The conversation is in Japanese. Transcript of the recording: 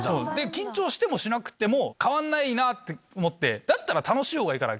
緊張してもしなくても変わんないなって思ってだったら楽しい方がいいから。